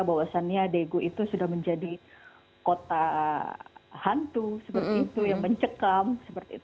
bahwasannya daegu itu sudah menjadi kota hantu seperti itu yang mencekam seperti itu